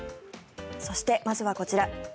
そして、まずはこちら。